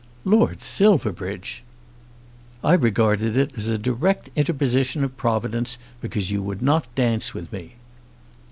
"Lord Silverbridge!" "I regarded it as a direct interposition of Providence, because you would not dance with me."